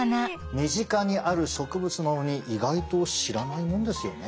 身近にある植物なのに意外と知らないもんですよね。